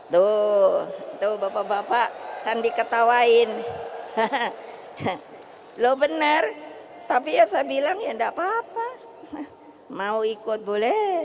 tuh tuh bapak bapak kan diketawain hahaha loh benar tapi ya saya bilang ya ndak papa mau ikut boleh